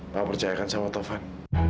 papa percayakan sama tuhan